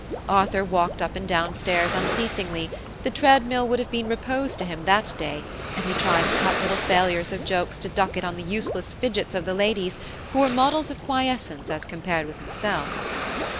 Arthur walked up and down stairs unceasingly; the tread mill would have been repose to him that day, and he tried to cut little failures of jokes to Duckett on the useless fidgets of the ladies, who were models of quiescence as compared with himself.